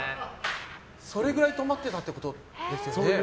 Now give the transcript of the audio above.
それくらい泊まってたってことですよね。